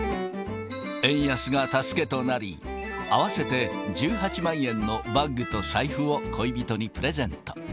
円安が助けとなり、合わせて１８万円のバッグと財布を恋人にプレゼント。